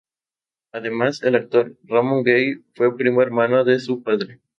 Además, el actor Ramón Gay fue primo hermano de su padre.